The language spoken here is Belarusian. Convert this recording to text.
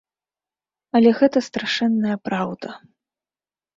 Але гэта страшэнная праўда.